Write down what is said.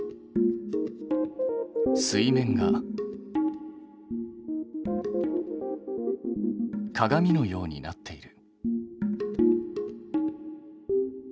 水面が鏡のようになっている。